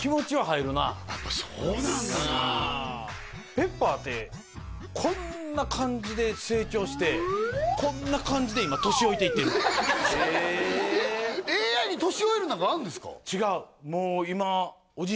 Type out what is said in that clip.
ペッパーってこんな感じで成長してこんな感じで今年老いていってんねんＡＩに年老いるなんかあるんですか？